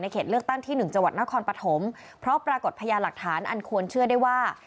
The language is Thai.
เขตเลือกตั้งที่๑จังหวัดนครปฐมเพราะปรากฏพยานหลักฐานอันควรเชื่อได้ว่า